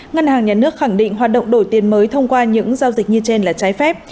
ngân hàng nhà nước khẳng định hoạt động đổi tiền mới thông qua những giao dịch như trên là trái phép